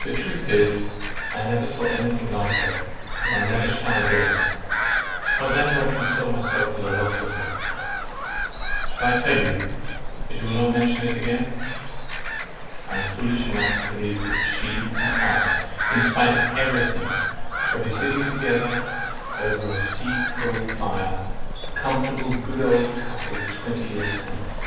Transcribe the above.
The truth is, I never saw anything like her, nor I never shall again. How then do I console myself for the loss of her? Shall I tell you, but you will not mention it again? I am foolish enough to believe that she and I, in spite of every thing, shall be sitting together over a sea coal fire, a comfortable good old couple, twenty years hence!